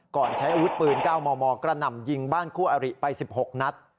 ใช้อาวุธปืน๙มมกระหน่ำยิงบ้านคู่อริไป๑๖นัด